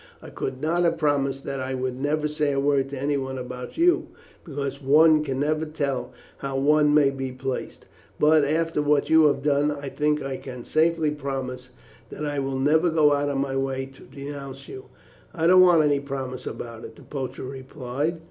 I could not have promised that I would never say a word to anyone about you, because one can never tell how one may be placed; but, after what you have done, I think that I can safely promise that I will never go out of my way to denounce you." "I don't want any promise about it," the poacher replied.